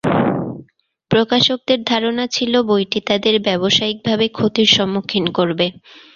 প্রকাশকদের ধারণা ছিল বইটি তাদের ব্যবসায়িকভাবে ক্ষতির সম্মুখীন করবে।